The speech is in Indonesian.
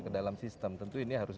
ke dalam sistem tentu ini harus